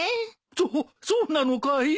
そそうなのかい！？